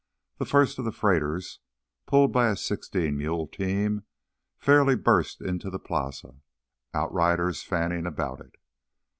The first of the freighters, pulled by a sixteen mule team, fairly burst into the plaza, outriders fanning about it.